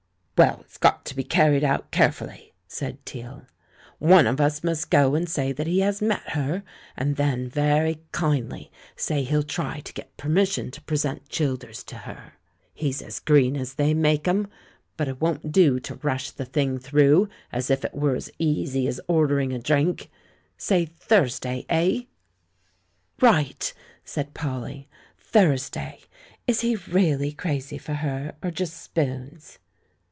"Well, it's got to be carried out carefully," said Teale; "one of us must go and say that he has met her ; and then, very kindly, say he'll try to get permission to present Childers to her. He's as green as they make 'em, but it won't do to 106 THE MAN WHO UNDERSTOOD WOMEN rush the thing through as if it were as easy as or dering a drink. Say Thursday, eh?" "Right," said Polly. "Thursday. Is he really crazy for her, or just spoons?"